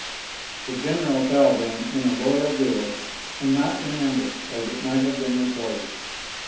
The general fell, then, in a loyal duel, and not in ambush as it might have been reported.